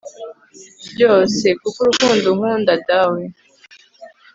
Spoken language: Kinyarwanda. ryose), kuko urukundo unkunda dawe